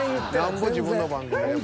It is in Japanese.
なんぼ自分の番組でも。